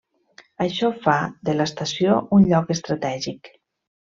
Això fa de l'estació un lloc estratègic.